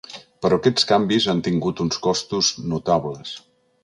Però aquests canvis han tingut uns costos notables.